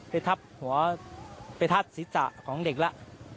ไปทับหัวไปทับศีรษะของเด็กแล้ว